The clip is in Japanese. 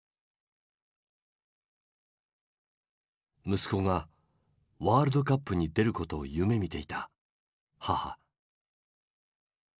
息子がワールドカップに出ることを夢みていた母。